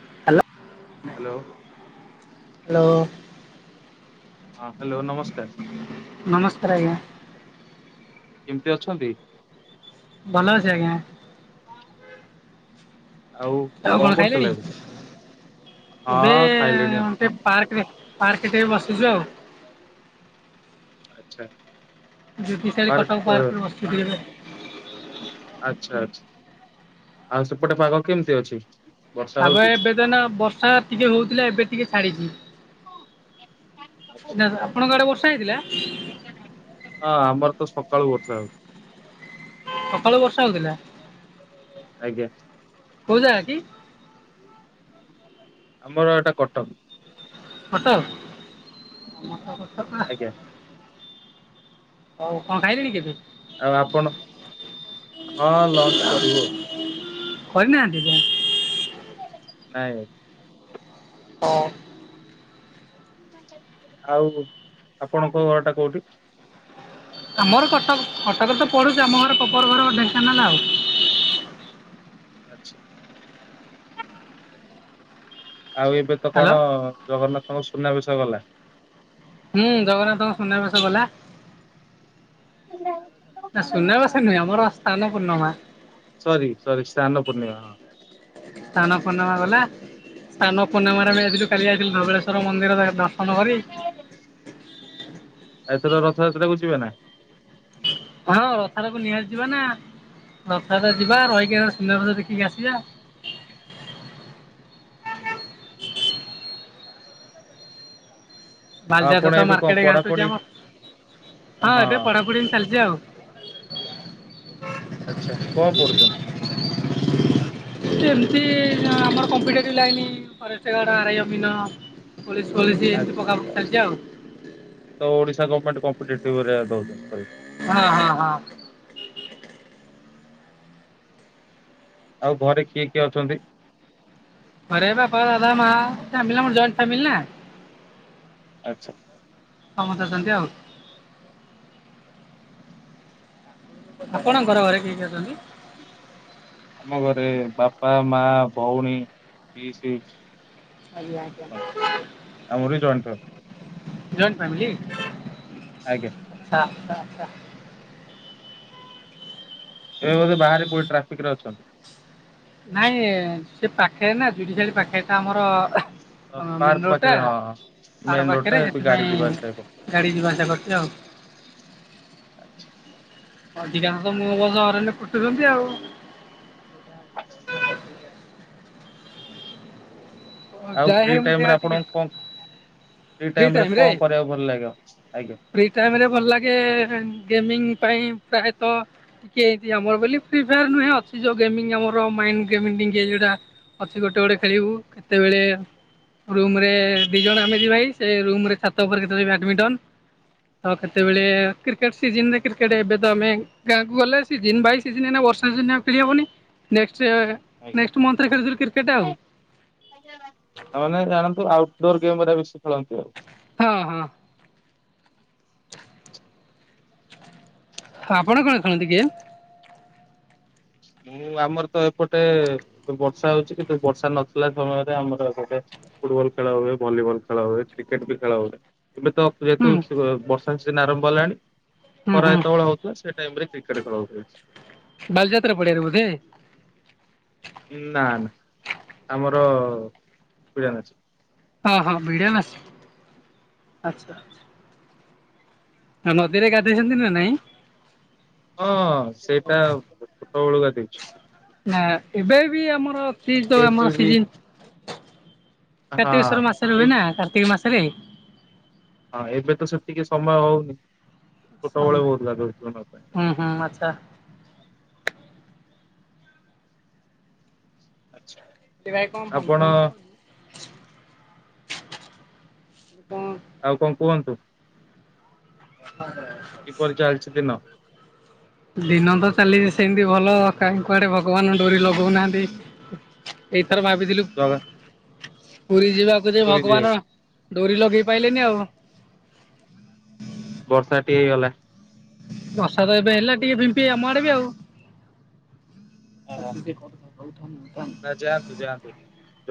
Hello. Hello. Hello. ହଁ hello ନମସ୍କାର। ନମସ୍କାର ଆଜ୍ଞା। କେମିତି ଅଛନ୍ତି? ଭଲ ଅଛ ଆଜ୍ଞା। ଆଉ କଣ ଖାଇଲେଣି ଏବେ ହଁ ଖାଇଲିଣି ଟି ପାର୍କରେ ପାର୍କଟେ ବସିଛୁ ଆଉ। ଆଚ୍ଛା। ଜୁଗୁସାଲି କଟକ ପାର୍କ ପାର୍କରେ ବସିବି ଏବେ। ଆଚ୍ଛା ଆଛ ଆଉ ସେପଟେ ପାଗ କେମିତି ଅଛି? ବର୍ଷା ଆଗ ହଉଛି ଏବେ ତ ନା ବର୍ଷା ଟିକେ ହଉଥିଲା ଏବେ ଟିକେ ଛାଡିଛି। ନାଁ ନାଁ ଆପଣଙ୍କ ଆଡେ ବର୍ଷା ହେଇଥିଲା? ହଁ ଆମର ତ ସକାଳୁ ବର୍ଷା ହୋଉଛି। ସକାଳୁ ବର୍ଷା ହଉଥିଲା ଆଜ୍ଞା। କୋଉ ଯାଗ କି? ଆମର ଏଇଟା କଟନ ହୋଟେଲ ମଟ ଆଜ୍ଞା ହଉ କଣ ଖାଇଲିଣି କେବେୁ ଆଉ ଆପଣ ହଁ ଲଞ୍ଚ କରିବୁ କରିନାହାନ୍ତି ତ ନାଇଁ ହଁ ଆଉ ଆପଣଙ୍କ ଘର ଟା କୋଉଠି ଆମର କଟକ କଟକରେ ତ ପଡୁଛି ଆମ ଘର କବର ଘର େସନ୍ ନଲା ଆଉ ଆଚଛା ଆଉ ଏବେ ତ ହ୍ୟାଲୋ। କଣ ଜଗନ୍ନାଥଙ୍କ ସୁନା ବିଷୟ ଗଲା ହୁଁ ଜଗନ୍ନାଥଙ୍କୁ ଶଣ ବେଶ ବଲେ ହେ ନା ସୁୁନା ବସ ନୁହଁ ଆମର ଅସ୍ଥା ନ ପୂର୍ଣ୍ଣିମା ସାର ସରି ଶାନ ପୂର୍ଣ୍ଣିମା ସ୍ଥାନ ପୂର୍ଣ୍ଣିମା ଗଲା ସ୍ଥାନ ପୂର୍ଣ୍ଣିମାରେ ବି ଆଜିଠୁ କାଲି ଆସଥିଲି ଧବଳେଶ୍ୱଵର ମନ୍ଦିର ଦର ଆଉ ଏତେର ରଥଯାତ୍ରାକୁ ଯିବେ ନା ହୁଁ ହଁ ରଥଟାକୁ ନିହାସି ଯିବା ନା ରଥଟା ଯିବା ରହିକି ସୁନ୍ଦର ବଷ ଦେଖିକି ଆସିବା ହୁଁ ଆଉ ବାଲଜା ଆପଣ ତ ତ ଏବେ କଣ ମାର୍କେଟ ପଢାପଢି ଗାନ୍ଛୁଛିମ ହଁ ଏବେ ପଢାପଢି ହ ଚାଲିଛି ଆଉ ଆଚଛା କଣ ପଢୁଛନ୍ତି ହ ଏମିତି ଆମର competitive line forest guard ଆରୟମନ୍ police policy ଏମି ଆଚ୍ଛା ପକା ଆଚ୍ଛା ତ ଓଡିଶା ଗଣମେଣ୍ଟ ଦଉଛନ୍ତି ପରୀକ୍ଷା। ହଁ ହଁ ହଁ ଆଉ ଘରେ କିଏ କିଏ ଅଛନ୍ତି ଆରେ ବାପା ଦା ମା ଫାମିଲ ଜଇଣ୍ଟ ଫ୍ୟାମିିଲ ନ ଆଚ୍ଛା ସମସ୍ତଛନ୍ତି ଆଉ ଆପଣଙ୍କର ଘରେ କେହିକ ଅଛନ୍ତି ଆମ ଘରେ ବାପା ମା ଭଉଣୀ ପି ସି ଆମର ଜ ଜଏଣ୍ଟ ଫ୍ୟାମିଲି ଆଜ୍ଞ ଆଚଛା ଆଚଛା ଏବେ ବୋଧେ ବାହାରେ କୋଉ ଟ୍ରାଫିକ ରେ ଅଛନ୍ତି ନାଇଁ ସେ ପାଖେ ନା ଜୁଡି ପାଖେଟା ଆମର ହ ମନ ପାର୍କ ରୋଡ଼ଟା ପାଖରେ ହଁ ଆାର ମେନ୍ ରୋଡ ଟା ପାଖରେ ଏବେ ଗାଡି ସେଥିପାଇଁ ଗାଡି ଯିବା ଆସିବା କରଛି ଆଉ ଆଚଛା ଅଧିକା ତ ମ ବଜ ଘର ଫୁଟୁଛନ୍ତି ଆଉ ଆଉ ଯାଇ ଫ୍ରି ହେ ଟାଇମ୍ ମୁତି ରେ ଟିକ ଆପଣଙ୍କୁ କଣ ଫ୍ରି ଟାଇମ୍ ରେ କଣ କରିବାକୁ ଭଲ ଲାଗେ? ଆଜ୍ଞା ଭଲ ଲାଗେ ଗେମଙ୍ଗ ପାଇଁ ପ୍ରାୟତ ଟିକେ ଆମର ବୋଲି ପ୍ର ନୁହେଁ ଅଛି ଯୋଉ ଗେମଙ୍ଗ ଆମର ଟା ଅଛି ଗୋଟେ ଗୋଟେ ଖେଳିବୁ କେତେବେଳେ ରୁମ ରେ ଦି ଜଣ ଆମେ ଯ ଭାଇ ସେ ରୁମ୍ରେ ଛାତ ଉପରେ କେତେବେଳେ ବ୍ୟାଡ଼ମିଣ୍ଟନ ତ କେତେବେଳେ ହୁଁ କ୍ରିକେଟ୍ସ ସିଜିନ୍ ରେ କ୍ରିକେଟ ଏବେ ତ ଆମେ ଗାଁକୁ ଗଲେ ସିଜିନ୍ ବାଇ ସିଜିନ ଏଇନେ ବର୍ଷା ସିଜିନ୍ ରେ ଆଉ ଖେଲିହବନି ନେକ୍ସଟ୍ ସେ ଆଜ୍ଞା। ନେକ୍ସଟ ମୋନଥ ରେ ଖେଳିଥିଲୁ କ୍ରିକେଟ ଆଉ। ତାମାନେ ଜାଣନ୍ତୁ ହଁ ହଁ [unintelligible] ଆପଣ କଣ ଖେଳନ୍ତି କି? ମୁଁ ଆମର ତ ଏପଟେ ବର୍ଷା ହଉଛି କିନ୍ତୁ ବର୍ଷା ନଥିଲା ସମୟରେ ଆମର ଏପଟେ ଫୁଟବଲ ଖେଳ ହୁଏ ଭଲିବଲ ଖେଳ ହୁଏ କ୍ରିକେଟ ବି ଖେଳ ହୁଏ। ଏବେ ତ ହୁଁ ଯେହେତୁ ବର୍ଷା ସିିଜନ ଆରମ୍ଭ ହେଲାଣି ହୁଁ ଖରା ହୁଁ ଯେତେବେଳେ ହଉଥିଲା ସେ ଟାଇମ ରେ କ୍ରିକେଟ ଖେଳ ହେଉଚି ବେଶୀ ବାଲିଯାତ୍ରା ପଡ଼ିଆ ରେ ବୋଧେ? ନା ନା ଆମର ପଜାନ ଅଛି ହଁ ହଁ [unintelligible] ନଦୀରେ ଗାଧଇଛନ୍ତି ନା ନାଇଁ? ହଁ ସେଇଟା ଛୋଟ ବେଳୁ ଗାଧେଇଚୁ। ନା ଏବେ ବି ଆମର ଏବେ [unintelligible] ବି ସିଜିନ୍। ହଁ କାର୍ତ୍ତିକେଶ୍ୱଵର ମାସରେ ହୁଏ ଏ ନା କାର୍ତ୍ତିକ ମାସରେ। ହଁ ଏବେ ତ ସେ ଟିକେ ସମୟ ହଉନି ଛୋଟବେଳେ ହଉଥିଲା। [unintelligible] ହୁଁ ହୁଁ ଆଚ୍ଛା ଆଚ୍ଛା ସେ ଭାଇ କଣ ଆପଣ ଫଙ୍କ୍ସନ ହବ। କଣ ଆଉ କଣ କୁହନ୍ତୁ? କିପରି ଚାଲିଛି ଦିନ? ଦିନ ତ ଚାଲିଛି ସେମିତି ଭଲ କାହିଁ କୁଆଡେ ଭଗବାନ ଡୋରି ଲଗଉନାହାନ୍ତି। ଏଇଥର ଭାବିଥିଲୁ ଜଗା ପୁରୀ ଯିବାକୁ ଯେ ପୁରୀ ଯିବେ ଭଗବାନ ଡୋରି ଲଗେଇ ପଇଲେନି ଆଉ ବର୍ଷା ଟିକେ ହେଇଗଲା। ବର୍ଷାଦ ଏବେ ହେଲା ଟିକେ ଫିମ୍ପି ଆମ ଆଡ଼େ ବି ଆଉ [unintelligible] ନା ଯାଆନ୍ତୁ ଯାଆନ୍ତୁ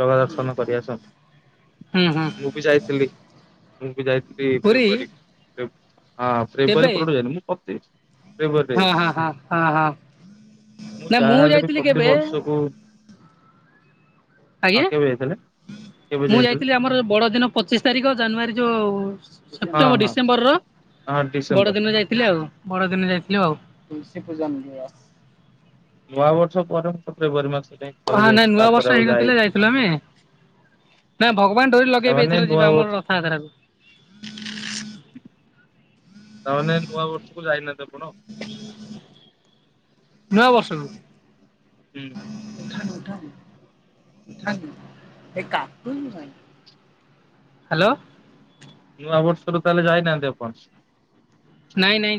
ଜଗା ଦର୍ଶନ କରି ହୁଁ ଆସନ୍ତୁ। ମୁଁ ବି ଯାଇଥିଲି। ମୁଁ ଯାଇଥିଲି ପୁରୀ ଫେବୃଆାରୀ ହଁ କେବେ ଫେବୃଆାରୀ ପଟୁ ଯାଇଥିଲି ମୁଁ [unintelligible] ଫେବୃଆରୀରେ ହଁ- ହଁ -ହଁ ହଁ -ହଁ। ନାାଇ ମୁଁ ଯାହାହେଲେ ବି ଯାଇଥିଲି ପ୍ରତି କେବେ ବର୍ଷକୁ ହଁ ଆଜ୍ଞା କେବେ ଯାଇଥିଲେ? କେବେ ମୁଁ ଯାଇଥିଲେ ଯାଇଥିଲି ଆମର ବଡ ଦିନ ପଚିଶି ତାରିଖ ଜାନୁଆରୀ ଯୋଉ ହଁ ସେପ୍ଟେମ୍ବର ହଁ ଡିସେମ୍ବର ର ହଁ ବଡ ଡିସେମ୍ବର ଦିନ ଯାଇଥିଲେ ଆଉ ବଡ ଦିନ ଯାଇଥିଲେ ଆଉ ତୁଳସୀ ପୂଜା ନ ଯିବସ ନୂଆବର୍ଷ ପରବର୍ଷ ଫେବୃୟାରୀ ମାସ ଯାଇ ଥରେ ହଁ ଯାଇଛି ନାଇଁ ନୂଆ ତାପରେ ବର୍ଷ ଆଉ ହେଇନଥିଲେ ଯାଇନି। ଯାଇଥିଲୁ ଆମେ ନା ଭଗବାନ ଡୋରି ଲଗେଇବେ ତାମାନେ ଏଥର ନୂଆ ଯିବା ଆମର ବର୍ଷ ରଥଯାତ୍ରାକୁ। ତାମାନେ ନୂଆ ବର୍ଷକୁ ଯାଇନାହାନ୍ତି ଆପଣ ନୂଆ ବର୍ଷରୁ ହୁଁ। [unintelligible] ହାଲୋ। ନୂଆବର୍ଷରୁ ତାହେଲେ ଯାଇନାହାନ୍ତି ଆପଣ? ନାଇଁ ନାଇଁ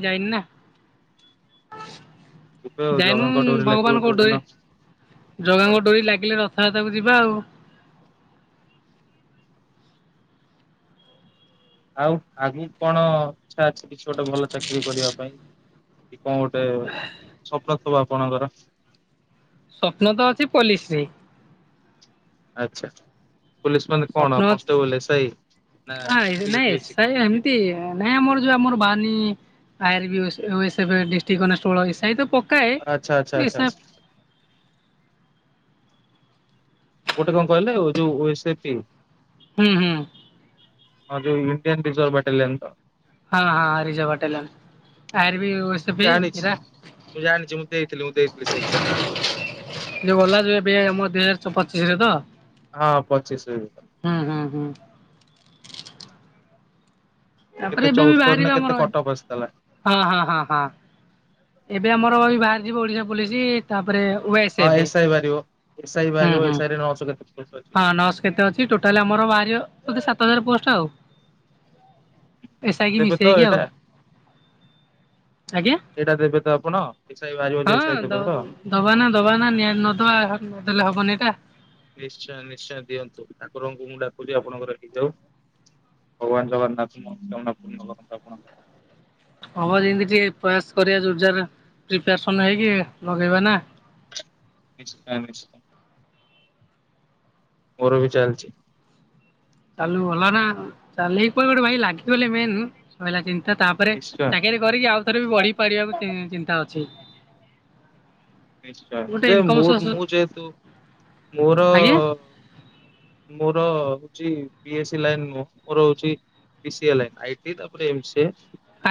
ଯିବେ ଆଉ [unintelligible] ଯାଇନୁ ଜଗାଙ୍କ ଡୋରି ଲାଗିବ ଭଗବାନଙ୍କୋ କୋଉଦିନ ଡୋରି ଜଗାଙ୍କ ଡୋରି ଲାଗିଲେ ରଥ ରଥଯାତ୍ରା କୁ ଯିବା ଆଉ ଆଉ ଆଗକୁ କଣ ଇଚ୍ଛା ଅଛି କିଛି ଗୋଟେ ଭଲ ଚାକିରୀ କରିବା ପାଇଁ? କି କଣ ଗୋଟେ ସ୍ୱପ୍ନ ଥିବ ଆପଣଙ୍କର? ସ୍ଵପ୍ନ ତ ଅଛି ପୋଲିସ ରେ। ଆଛା ପୋଲିସ ମାନେ କଣ? ସ୍ୱପ୍ନ ଅଛି କନଷ୍ଟେବଲ ଏସ୍ ଆଇ ନା ହଁ ୟୁ ନାଇଁ P S S C I କଣ? ହେମତି ନାଇଁ ଆମର ଯୋଉ ଆମର ବାହରିନୀ I R B ଓସ୍ OS district constable S I ତ ପକ ଆଛା ଆଚ୍ଛା ଆଛା ଆଛା। ଗୋଟେ କଣ କହିଲେ ଯୋଉ ଓ ଏସ ପି। ହୁଁ ହୁଁ। ଆଉ ଇଡିଆନ୍ ରିସର୍ଭ ବାଟେଲିଆନ୍ ତ? ହଁ ହଁ ରିଝର୍ବ ବାଟାଲିୟନ। ବି ଓଏସଏଫ ମୁ ଜାଣିଛି ଏରା ମୁଁ ଜାଣିଛି ମୁଁ ଦେଇଥିଲି ମୁଁ ଦେଇଥିଲି ସେ ଏଗଜାମ୍ ଦେଇଥିଲି। ଯୋଉ ଗଲା ଯେ ଏବେ ମ ଦୁଇ ହଜାର ପଚିଶ ରେ ତ? ହଁ ପଚିଶରେ ହୁଁ ହୁଁ ହୁଁ ତାପରେ କେତେ ଏବେ ବି ଚଉସ୍ତରୀ ନା ବାହାରିବା କେତେ ଆମର କଟଅଫ୍ ଆସିଥିଲା ହଁ ହଁ ହଁ ହଁ ଏବେ ଆମର ଏଇ ବାହାରି ଯିବ ଓଡିଶା ପୋଲିସ ତାପରେ ଓଏସଏଫ ହଁ ଏସ୍ ଆଇ ବାହାରିବ ଏସ୍ ଆଇ ହୁଁ ବାହାରିବ ହୁଁ। ଏସ ଆଇରେ ନଅ ଶହ କେତେ ପୋଷ୍ଟ ଅଛି। ହଁ ନଅଶହ କେତେ ଅଛି ଟୋଟାଲ ଆମର ବାହାରିଵ ବୋଧେ ସାତ ହଜାର ପୋଷ୍ଟ ଆଉ। ଏସ ଆଇ କି ମିଶେଇକି ଆଉ। ଆଜ୍ଞା। ଏଟା ଦେବେ ତ ଆପଣ? ଏସ୍ ଆଇ ବାହାରିବ ହଁ ଯୋଉ ଏସ୍ ଆଇ ଦେବେ ତ? ଦବ ଦବାନା ଦବାନା ନିହାତି ନଦବା ନଦେଲେ ହବନି ଏଟା। ନିଶ୍ଚୟ ନିଶ୍ଚୟ ଦିଅନ୍ତୁ। ଠାକୁରଙ୍କୁ ମୁଁ ଡାକୁଛି ଆପଣଙ୍କର ହେଇଯାଉ। ଭଗବାନ ଜଗନ୍ନାଥ ମନସ୍କାମନା ପୂର୍ଣ୍ଣ କରନ୍ତୁ ଆପଣଙ୍କର। ହବ ଯେମିତି ଟିକେ ପ୍ରୟାସ କରିବା ଯୋରର୍ଯାର ପ୍ରିପାରେଶନ ହେଇକି ଲଗେଇବା ନା ନିଶ୍ଚୟ ନିଶ୍ଚୟ। ମୋର ବି ଚାଲିଛି। ଚାଲୁ ଭଲ ନା ଚାଲକି କୁଆଡେ ଗୋଟେ ଭାଇ ଲାଗିଗଲେ ମେନ ସଇଲା ଚି ତ ତାପରେ ନିଶ୍ଚୟ ଚାକିରି କରିକି ଆଉ ଥରେ ବି ନିଶ୍ଚୟ ବଢି ପାରିବାକୁ ଚିନ୍ତା ଅଛି। ନିଶ୍ଚୟ ଗୋଟେ ଯେ ଇନକମ୍ ସୋର୍ସ ମୋଠୁ ମୁଁ ଯେହେତୁ ମୋର ଆଜ୍ଞା ମୋର ଚି ବିଏସୀ ଲାଇନ୍ ନୁହଁ ମୋର ହୋଉଛି ପିସିଏ ଲାଇନ୍ ଆଇ ଟି ତାପରେ ଏମ୍ ସି ଏ।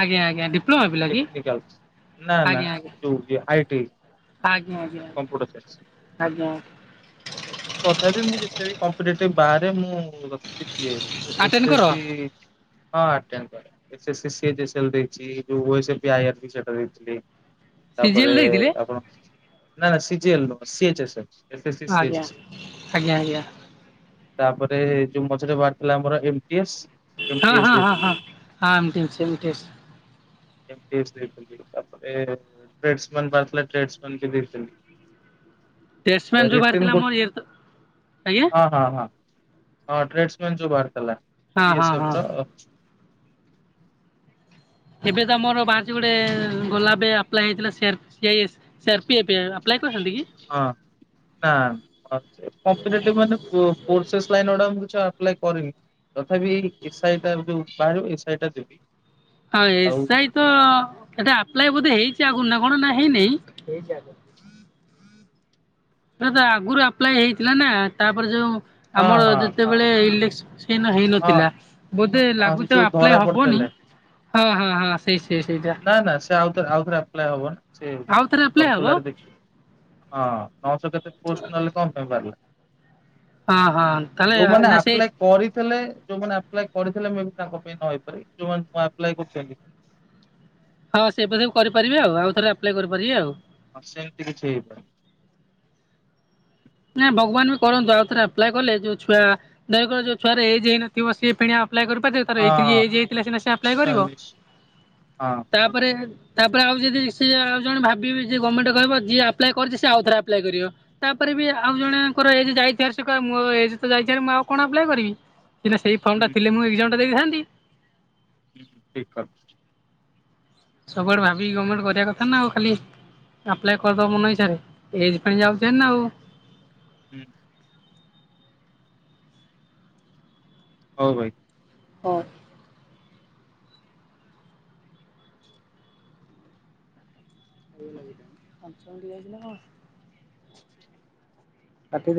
ଆଜ୍ଞା ଆଜ୍ଞା ଡିପ୍ଲୋମା ପିଲା କି ନା ନା ଆଜ୍ଞା ଆଜ୍ଞା ଯୋଉ [unintelligible] ଆଜ୍ଞା ଆଜ୍ଞା କମ୍ପ୍ୟୁଟର ସାଇନ୍ସ ତଥାପି ମୁ ଯେ ଏଇ କମ୍ପିଟେଟିଭ ବାର ରେ ମୁ ରଖିଲି ଇଏ ମୁ ଏସ ଆଟେଣ୍ଡ କର ଏସ ସି ହ [unintelligible] ଏସ ଏସ ସି ସି [unintelligible] ଦେଇଚି ଯୋଉ O S P I R B ସେଟା ଦେଇଥିଲି। ସିଜିଏଲ ତାପରେ ଦେଇଥିଲେ ଆପଣ ନା ନା ସି ଜି ଏଲ ନୁହଁ ସି ଏଚ ଏ ଆଜ୍ଞା ଆଜ୍ଞା ଆଜ୍ଞା। ତାପରେ ଯୋଉ ମଝୀରେ ବାହାରି ଥିଲା ଆମର ଏ ଟି ଏସ ଏମ୍ ହଁ ଟି ଏସ ହଁ ହଁ ଦେଇଥିଲି। ହଁ ହଁ ଏମତି ଅଛି ଏମତି ଅଛି ଏମ୍ ଟି ଏସ ଦେଇଥିଲି ତାପରେ ଟ୍ରେଡ୍ସ ମ୍ୟାନ ବାହାରିଥିଲା ଟ୍ରେଡ୍ସ ମ୍ୟାନ [unintelligible] ଜେମ୍ ଟେଷ୍ଟମ୍ୟାନ ଅ ଯୋଉ ରିଟିନ ବାହାରିଥିଲା ଗୋ ମୋର ଇଏରେ ତ ଆଜ୍ଞା ହଁ ହଁ ହଁ। ହଁ ଟ୍ରେଡ୍ସ ମ୍ୟାନ୍ ଯୋଉ ବାହାରିଥିଲା ହଁ ସି ହଁ ଏସ ହଁ ଓପ ର ଏବେ ତ ଆମର ବାହାରିଛି ଗୋଟେ ଗଲା ଏବେ ଆପ୍ଲାଏ ହେଇଥିଲା C R C I S sir P ଏପ ଆପ୍ଲାଏ କରିଛନ୍ତି କି? ହଁ ନା [unintelligible] କମ୍ପିଟେଟିଭ ମାନେ ପୋ ପୋରଶେଷ ଲାଇନ୍ ଗୁଡାକ [unintelligible] ଅପ୍ଲାଏ କରିନି ତଥାପି ଏସ ଆଇ ଟା ଯୋଉ ବାହାରିବ ଏସ ଆଇ ଟା ଦେବି। ହଁ ଆଉ ଏସ ଆଇ ତ ଏଟା ଆପ୍ଲାଏ ବୋଧେ ହେଇଛି ଚି ଆଗରୁ ନା କଣ ନା ହେଇନେଇଁ? ନା ତ ଆଗରୁ ଆପ୍ଲାଏ ହେଇଥିଲା ନା ତାପରେ ଯୋଉ ହଁ ଆମର ହଁ ହଁ ଯେତେବେଳେ ଇଲେକେ ହଁ ହେଇନଥିଲା ବୋଧେ ହଁ ସେ ଲାଗୁଚିତ ଯୋଉ ଆପ୍ଲା ଧରା ହବନି ପଡିଥିଲେ ହଁ ହଁ ହଁ ସେଇ ସେଇ ସେଇଟା ନା ନା ସେ ଆଉଥରେ ଆଉଥରେ ଆପ୍ଲାଏ ହବନ ସେ ଆଉ ଥରେ ଆପ୍ଲାଏ ହବ କର୍ପୂଲାର ଦେଖି ହଁ ନଅଶହ କେତେ ପୋଷ୍ଟ ନହେଲେ କଣ ପାଇଁ ବାହାରିଲା? ହଁ ହଁ ତାହେଲେ ଯୋଉମାନେ ନା ସେଇ ଆପ୍ଲାଏ କରି ଥିଲେ ଯୋଉମାନେ ଆପ୍ଲାଏ କରିଥିଲେ ମେବି ତାଙ୍କ ପାଇଁ ନ ହେଇପାରି ଜଉମାନେ ନୂଆ ଆପ୍ଲାଏ କରୁଛନ୍ତି ହଁ ସେବେ ସବୁ କରିପାରିବେ ଆଉ। ଆଉ ଥରେ ଆପ୍ଲାଏ କରିପାରିବେ ଆଉ। ହଁ ସେମିତି କିଛି ହେଇପାରେ। ନା ଭଗବାନ ବି କରନ୍ତୁ ଆଉଥରେ ଆପ୍ଲାଏ କଲେ ଯୋଉ ଛୁଆ ଦୟ କରି ଯୋଉ ଛୁଆରେ ଏଜ୍ ହେଇନଥିବ ସିଏ ଫିଣି ପ୍ଲାଏ କରିପାରିବ ତାର ହଁ ଏତିକି ଏଜ୍ ହେଇଥିଲା ସିନା ସେ ଆପ୍ଲାଏ କରିବ। ନିଶ୍ଚୟ ନିଶ୍ଚୟ ହଁ ତାପରେ ତାପରେ ଆଉ ଯଦି ସିଏ ଆଉ ଜଣେ ଭାବିବେ ଯେ ଗର୍ମେଣ୍ଟ କହିବ ଯିଏ ଆପ୍ଲାଏ କରିଛିି ସିଏ ଆଉଥରେ ଆପ୍ଲାଏ କରିବ। ତାପରେ ବି ଆଉ ଜଣେଙ୍କର ଏଜ୍ ଯାଇଥିବାର ସେ କହିବ ମୋ ଏଜ୍ ତ ଯାଇଥିବ ରି ମୁଁ ଆଉ କଣ ଆପ୍ଲାଏ କରିବି? ସିନା ସେଇ ଫର୍ମ ଟା ହୁଁ ଥିଲେ ମୁଁ ଏଗ୍ଜାମ୍ ଟା ଦେଇଥାନ୍ତି। ଠିକ ସବୁଆଡେ ଭାବିକି ଗମେଣ୍ଟ କରିବା କଥା ନା ଆଉ ଖାଲି ଆପ୍ଲାଏ କରିଦବ ମନ ଇଛାରେ ଏଜ ପାଇଁ ଯାଉଛି ନା ଆଉ ହୁଁ। ହଉ ଭାଇ। ହଉ। ପାଞ୍ଚ ମିନିଟ୍ ଯାଇଚି ନା କଣ ଖାତିରେ